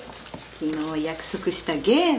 昨日約束したゲーム。